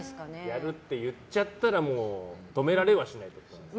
やるって言っちゃったらもう止められはしないってことですか。